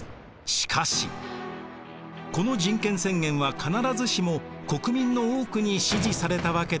しかしこの人権宣言は必ずしも国民の多くに支持されたわけではありませんでした。